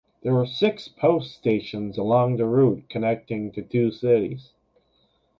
There were six post stations along the route connecting to two cities.